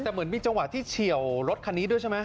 แต่เหมือนมีจังหวะที่เฉียวรถคันนี้ด้วยใช่ไหม